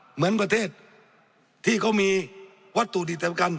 เหมือนประเทศที่เขามีวัตถุดีเต็มกัน